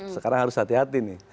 sekarang harus hati hati nih